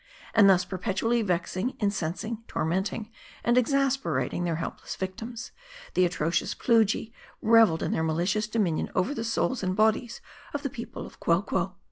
Arid thus per petually vexing, incensing, tormenting, and exasperating their helpless victims, the atrocious Plujii reveled in their mali cious dominion over the souls and bodies of the people of Quelquo.